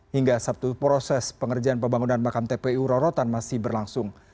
hingga sabtu proses pengerjaan pembangunan makam tpu rorotan masih berlangsung